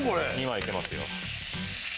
２枚いけますよ。